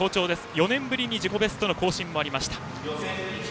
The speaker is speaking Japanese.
４年ぶりに自己ベストの更新もありました。